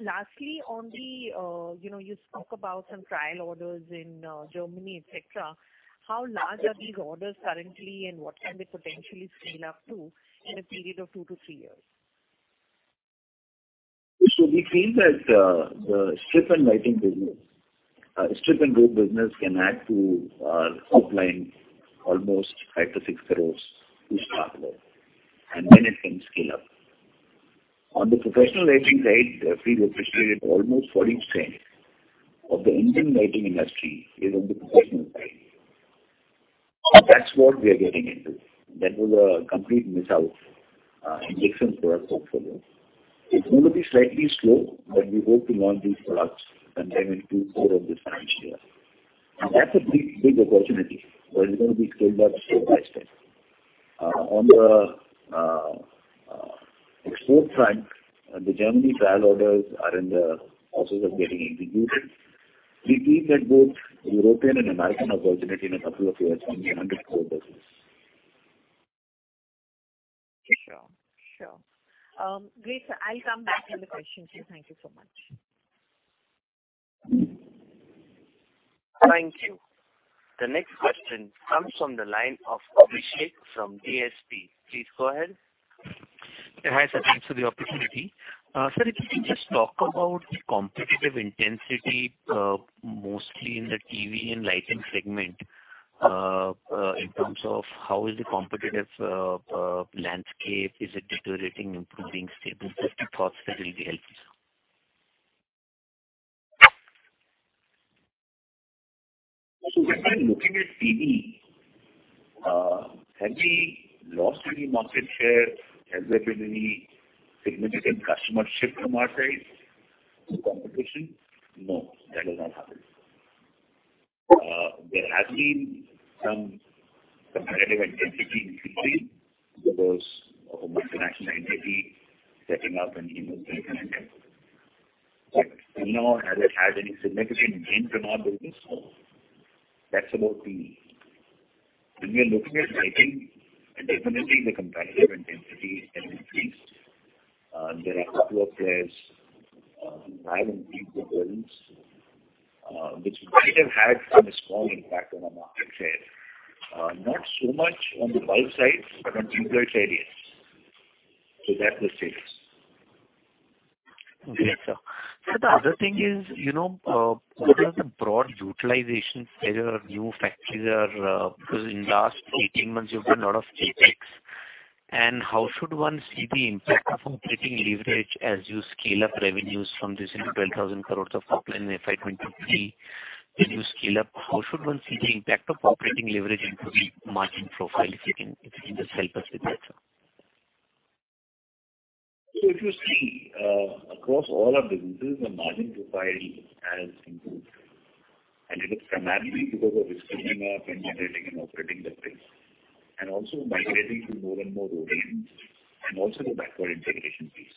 Lastly, on the, you know, you spoke about some trial orders in Germany, et cetera. How large are these orders currently, and what can they potentially scale up to in a period of two to three years? We feel that the strip and lighting business, strip and rope business can add to our top line almost 5 crore-6 crore to start with, and then it can scale up. On the professional lighting side, we appreciate almost 40% of the Indian lighting industry is on the professional side. That's what we are getting into. That was a complete miss out in Dixon's product portfolio. It's going to be slightly slow, but we hope to launch these products sometime in two, quarter of this financial year. That's a big, big opportunity, but it's going to be scaled up step by step. On the export front, the Germany trial orders are in the process of getting executed. We feel that both European and American opportunity in a couple of years can be an 100 crore business. Sure, sure. Great, sir. I'll come back with the questions. Thank you so much. Thank you. The next question comes from the line of Abhishek from DSP. Please go ahead. Hi, sir. Thanks for the opportunity. Sir, if you can just talk about the competitive intensity, mostly in the TV and lighting segment, in terms of how is the competitive landscape? Is it deteriorating, improving, stable? Just your thoughts, that will be helpful, sir. When we're looking at TV, have we lost any market share? Has there been any significant customer shift from our side to competition? No, that has not happened. There has been some competitive intensity in TV because of a multinational entity setting up and investing in India. No, has it had any significant gain from our business? No. That's about the. When we are looking at lighting, definitely the competitive intensity has increased. There are a couple of players, who have indeed good brands, which might have had a small impact on our market share. Not so much on the bulb side, but on tube light areas. That was sales. Okay, sir. Sir, the other thing is, you know, what is the broad utilization where your new factories are? because in the last 18 months, you've done a lot of CapEx. How should one see the impact of operating leverage as you scale up revenues from this into 12,000 crore of topline in FY23? When you scale up, how should one see the impact of operating leverage into the margin profile, if you can just help us with that, sir? If you see, across all our businesses, the margin profile has improved, and it is primarily because of risk coming up and generating and operating the place, and also migrating to more and more roadways, and also the backward integration piece.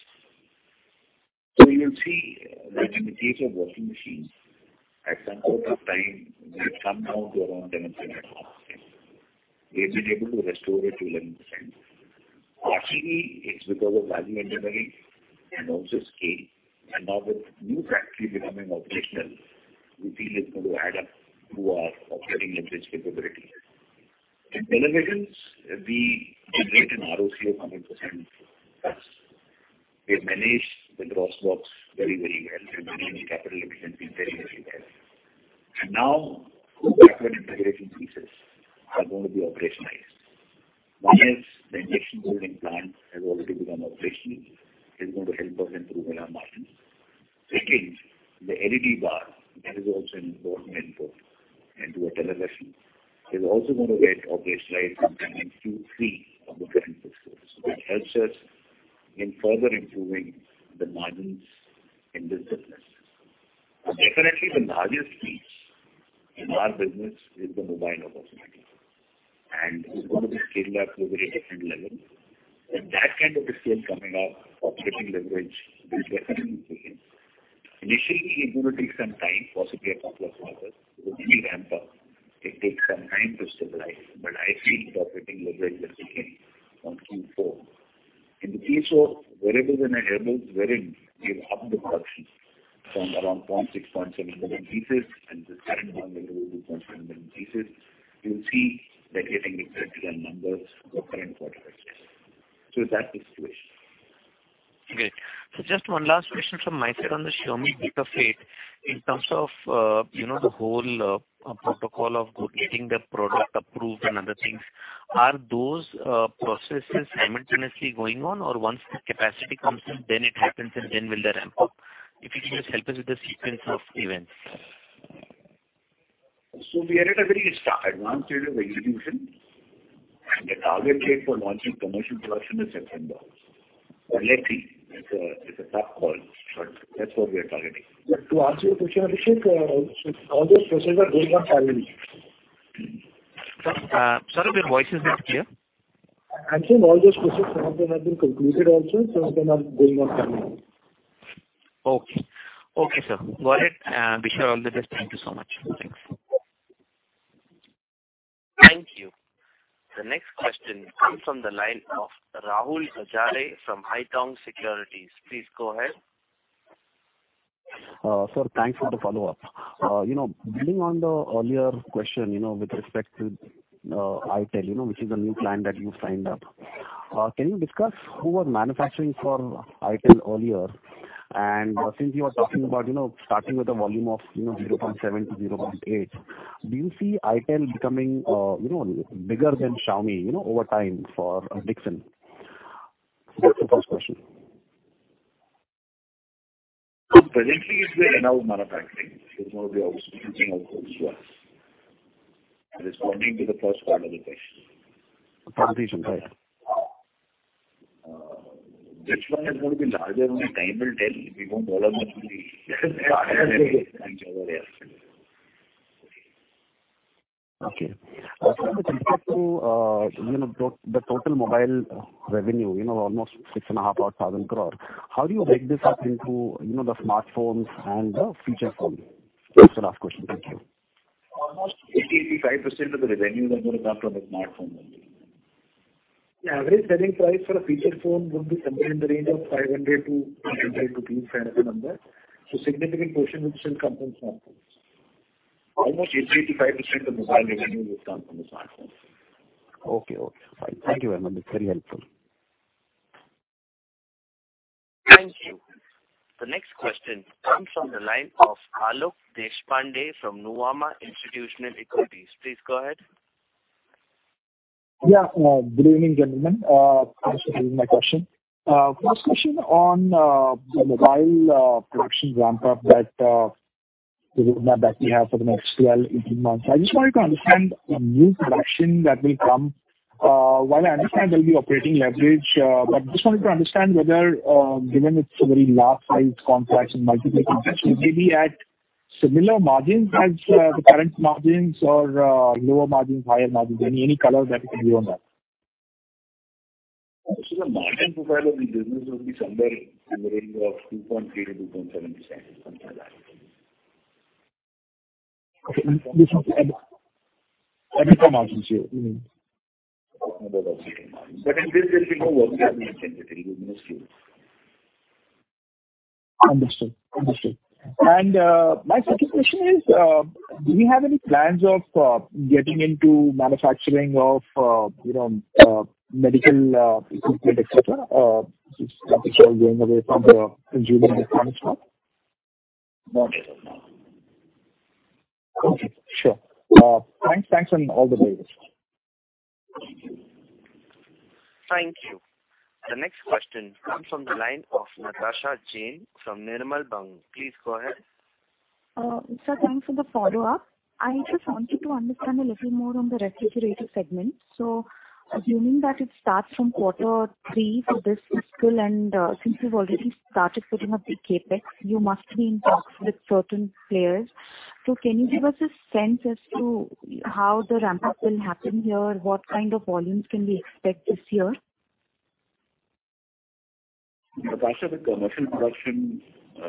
You will see that in the case of washing machines, at some point of time, we've come down to around 10%. We've been able to restore it to 11%. Partially, it's because of value engineering and also scale. Now with new factory becoming operational, we feel it's going to add up to our operating leverage capability. In televisions, we generate an ROC of 100%+. We manage the gross box very, very well, and manage capital efficiently, very, very well. Now, backward integration pieces are going to be operationalized. One is the injection molding plant has already become operational, is going to help us improve on our margins. Secondly, the LED bar, that is also an important input into a television, is also going to get operationalized in Q3 of the current fiscal. It helps us in further improving the margins in this business. Definitely, the largest piece in our business is the mobile opportunity, and it's going to be scaled up to a very different level. That kind of scale coming up, operating leverage. Initially, it's going to take some time, possibly a couple of quarters, to really ramp up. It takes some time to stabilize, but I feel the operating leverage will begin from Q4. In the case of wearables and wearables variant, we've upped the production from around 0.6, 0.7 million pieces, and this current one will be 0.7 million pieces. You'll see that getting reflected in our numbers for current quarter. That's the situation. Just one last question from my side on the Xiaomi bit of fate. In terms of, you know, the whole protocol of getting the product approved and other things, are those processes simultaneously going on, or once the capacity comes in, then it happens, and then will they ramp up? If you can just help us with the sequence of events. We are at a very advanced stage of execution, and the target date for launching commercial production is September. Likely, it's a tough call, but that's what we are targeting. To answer your question, Abhishek, all those processes are going on currently. Sorry, sir, your voice is not clear. I'm saying all those processes, some of them have been concluded also, some of them are going on currently. Okay. Okay, sir. Got it, wish you all the best. Thank you so much. Thanks. Thank you. The next question comes from the line of Rahul Gajare from Haitong Securities. Please go ahead. Sir, thanks for the follow-up. You know, building on the earlier question, you know, with respect to Itel, you know, which is a new client that you signed up. Can you discuss who was manufacturing for Itel earlier? Since you are talking about, you know, starting with a volume of, you know, 0.7 to 0.8, do you see Itel becoming, you know, bigger than Xiaomi, you know, over time for Dixon? That's the first question. Presently, it's being manufacturing. It's going to be outsourcing of course to us. Responding to the first part of the question. Okay, sure. Right. which one is going to be larger? Only time will tell. We won't volunteer the answer yet. Okay. Also, with respect to, you know, the total mobile revenue, you know, almost 6,500 crore, how do you break this up into, you know, the smartphones and the feature phone? That's the last question. Thank you. Almost 80%-85% of the revenues are going to come from the smartphone. The average selling price for a feature phone would be somewhere in the range of 500 to 25 rupees to 300 number. Significant portion would still come from smartphones. Almost 80%-85% of the mobile revenue will come from the smartphones. Okay. Fine. Thank you very much. It's very helpful. Thank you. The next question comes from the line of Alok Deshpande from Nuvama Institutional Equities. Please go ahead. Yeah. Good evening, gentlemen. Thanks for taking my question. First question on the mobile production ramp-up that the roadmap that we have for the next 12, 18 months. I just wanted to understand the new production that will come, while I understand there'll be operating leverage, but just wanted to understand whether, given it's a very large size complex and multiple complex, will it be at similar margins as the current margins or lower margins, higher margins? Any color that you can give on that? The margin profile of the business will be somewhere in the range of 2.3%-2.7%, something like that. Okay. This is at EBITDA margins, you mean? In this, there will be no working capital intensity in this case. Understood. My second question is, do you have any plans of getting into manufacturing of, you know, medical equipment, et cetera? Since everything is going away from the engineering industry. Not at the moment. Okay, sure. Thanks, thanks and all the best. Thank you. The next question comes from the line of Natasha Jain from Nirmal Bang. Please go ahead. Sir, thanks for the follow-up. I just wanted to understand a little more on the refrigerator segment. Assuming that it starts from quarter three for this fiscal, and since you've already started putting up the CapEx, you must be in talks with certain players. Can you give us a sense as to how the ramp-up will happen here? What kind of volumes can we expect this year? Natasha, the commercial production,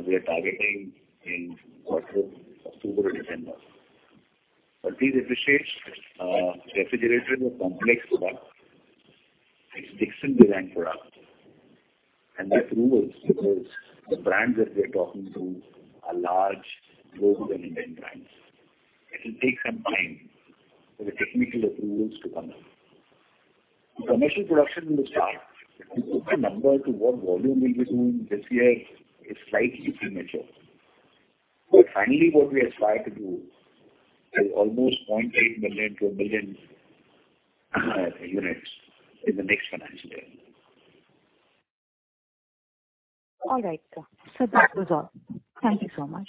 we are targeting in quarter of October, December. Please appreciate, refrigerators are complex product. It's Dixon brand product, and that rules because the brands that we are talking to are large, global and Indian brands. It will take some time for the technical approvals to come in. The commercial production will start. To put a number to what volume we'll be doing this year is slightly premature. Finally, what we aspire to do is almost 0.8 million-1 million units in the next financial year. All right, sir. That was all. Thank you so much.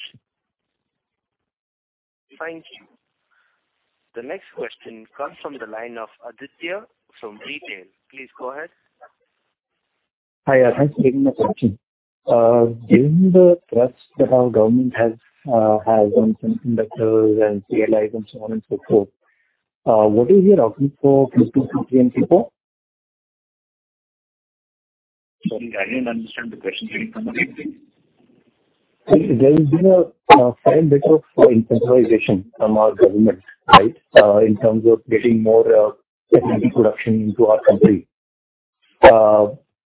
Thank you. The next question comes from the line of Aditya from Retail. Please go ahead. Hi, thanks for taking my question. Given the thrust that our government has on conductors and PLIs and so on and so forth, what is your outlook for 50 to 20 people? Sorry, I didn't understand the question. Can you come again, please? There has been a fair bit of incentivization from our government, right, in terms of getting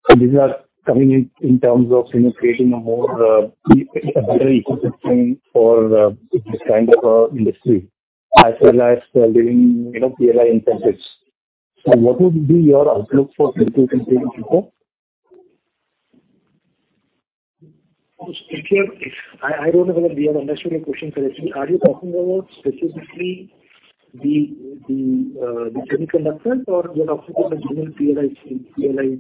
more, technical production into our country. These are coming in terms of, you know, creating a more, a better ecosystem for, this kind of, industry, as well as building, you know, PLI incentives. What would be your outlook for 50 to 20 people? I don't know whether we have understood your question correctly. Are you talking about specifically the semiconductors or you're talking about general PLI?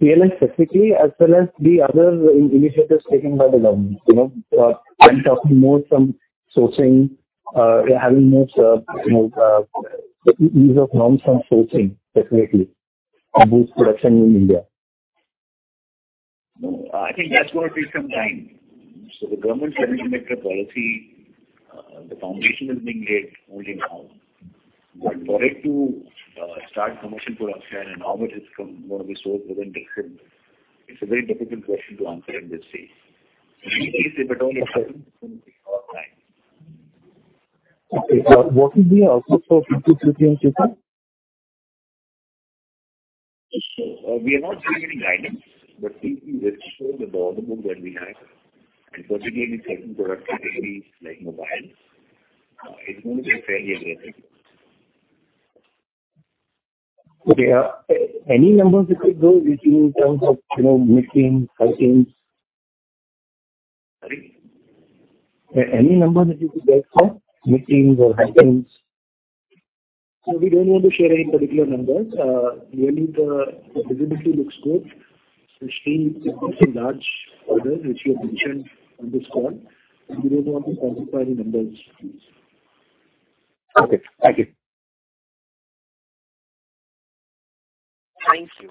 PLI specifically, as well as the other initiatives taken by the government. You know, I'm talking more from sourcing, having more, you know, ease of loans from sourcing specifically, to boost production in India. I think that's going to take some time. The government is trying to make the policy, the foundation is being laid only now. For it to start commercial production and how much is from, one of the source within Dixon, it's a very difficult question to answer in this stage. If at all it happens, it will take our time. What will be your outlook for 50 to 20 people? We are not giving any guidance, but we just showed the order book that we have, and particularly certain products categories like mobiles, it's going to be fairly aggressive. Okay. Any numbers you could give in terms of, you know, meetings, high teams? Sorry? Any numbers that you could get for meetings or high teams? We don't want to share any particular numbers. Really, the visibility looks good. It's a large order, which we have mentioned on this call. We don't want to quantify the numbers. Okay, thank you. Thank you.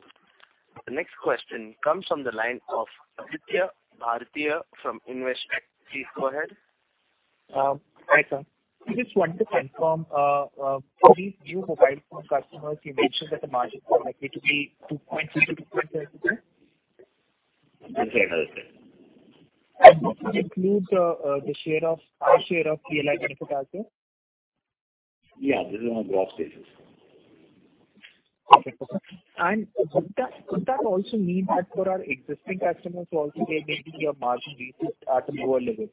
The next question comes from the line of Aditya Bhartia from Investec. Please go ahead. Hi, sir. We just want to confirm, for these new mobile phone customers, you mentioned that the margins are likely to be 2.2%-2.5%? That's right. Does this include our share of PLI benefit also? Yeah, this is on gross basis. Okay, perfect. Would that also mean that for our existing customers also, there may be a margin reset at a lower level?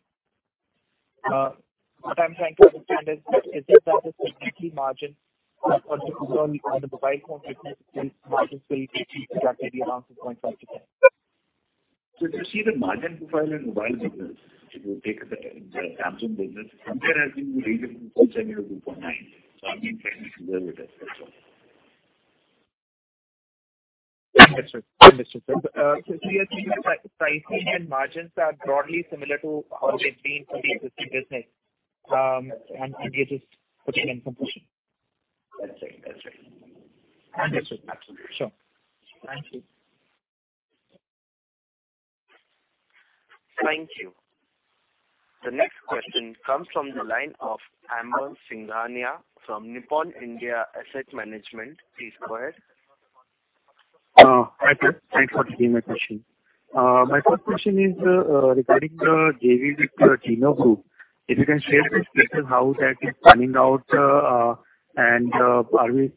What I'm trying to understand is it that the technically margin on the mobile phone business will be achieved, that may be around 2.5%-10%. If you see the margin profile in mobile business, if you take the Samsung business, somewhere has been raising from 1.7%-2.9%. I'm being fairly similar with that's all. Understood. Understood, sir. We are seeing the pricing and margins are broadly similar to how they've been for the existing business, and we are just putting in some push. That's right. That's right. Understood. Absolutely. Sure. Thank you. Thank you. The next question comes from the line of Amar Singhania from Nippon India Asset Management. Please go ahead. Hi, sir. Thanks for taking my question. My first question is regarding the JV with Tinno Group. If you can share with us how that is panning out, and are we,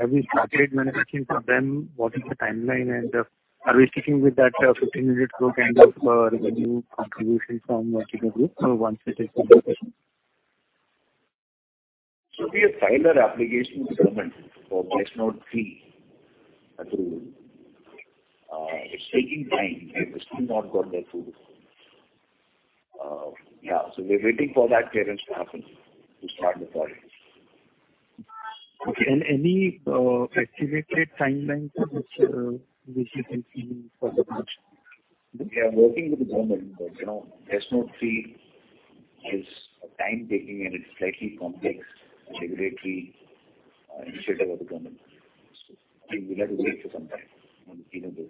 have we started manufacturing for them? What is the timeline, and are we sticking with that 15 unit growth kind of revenue contribution from Tinno Group once it is completed? There should be a filer application to government for BIS Phase 3 approval. It's taking time. We have still not got that through. We're waiting for that clearance to happen to start the project. Okay, any activated timeline for this you can see for the next? We are working with the government, you know, BIS Phase three is time-taking, and it's slightly complex regulatory, initiative of the government. I think we'll have to wait for some time on this.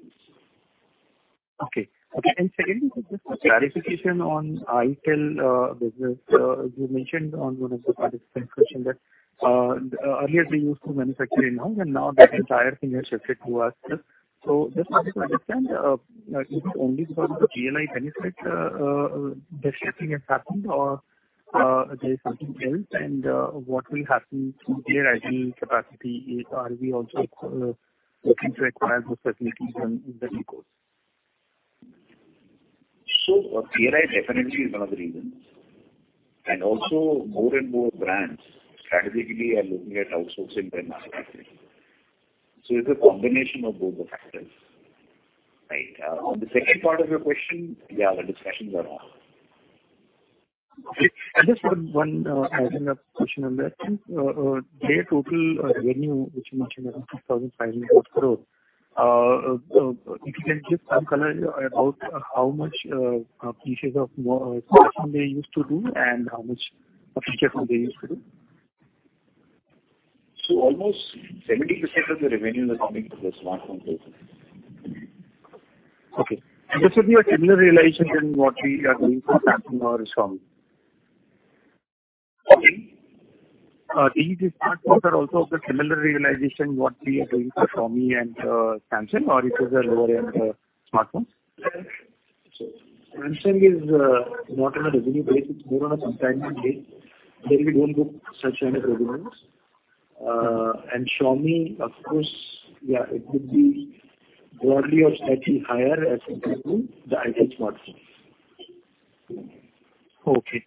Okay. Okay, secondly, just a clarification on Itel business. You mentioned on one of the participant question that earlier we used to manufacture in-house, and now the entire thing has shifted to us. Just wanted to understand, is it only because of the PLI benefit this thing has happened, or there is something else? What will happen to their ODM capacity, are we also looking to acquire those facilities in the due course? GLI definitely is one of the reasons, and also more and more brands strategically are looking at outsourcing their manufacturing. It's a combination of both the factors. Right. On the second part of your question, yeah, the discussions are on. Okay. Just one adding up question on that. Their total revenue, which you mentioned was INR 2,500 crore, if you can give some color about how much pieces of more they used to do, and how much of pieces they used to do? Almost 70% of the revenue is coming from the smartphone business. Okay. This would be a similar realization than what we are doing for Samsung or Xiaomi? Okay. These smartphones are also of a similar realization, what we are doing for Xiaomi and Samsung, or it is a lower-end smartphones? Samsung is not on a revenue base. It's more on a subscription base. They will go into such kind of agreements. Xiaomi, of course, yeah, it would be broadly or slightly higher as compared to the Itel smartphones. Okay.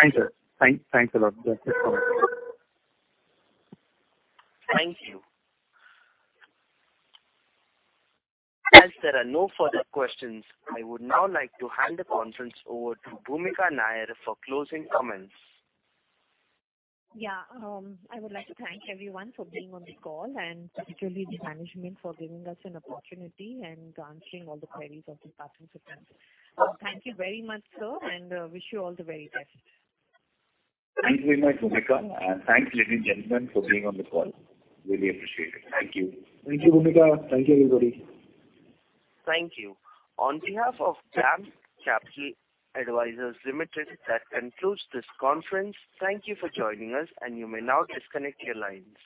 Thanks, sir. Thanks a lot. That's it from my side. Thank you. As there are no further questions, I would now like to hand the conference over to Bhoomika Nair for closing comments. Yeah. I would like to thank everyone for being on the call and particularly the management for giving us an opportunity and answering all the queries of the participants. Thank you very much, sir. Wish you all the very best. Thank you very much, Bhoomika, and thanks, ladies and gentlemen, for being on the call. Really appreciate it. Thank you. Thank you, Bhoomika. Thank you, everybody. Thank you. On behalf of DAM Capital Advisors Limited, that concludes this conference. Thank you for joining us. You may now disconnect your lines.